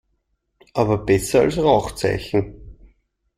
Aber besser als Rauchzeichen.